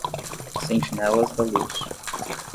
Sentinelas da luz